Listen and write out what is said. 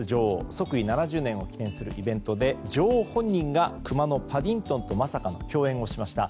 即位７０年を記念するイベントで女王本人がクマのパディントンとまさかの共演をしました。